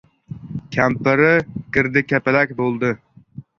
Kampiri girdikapalak bo‘ldi.